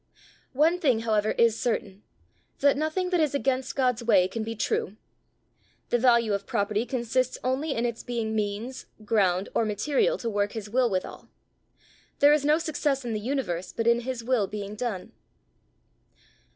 One thing, however, is certain that nothing that is against God's way can be true. The value of property consists only in its being means, ground, or material to work his will withal. There is no success in the universe but in his will being done."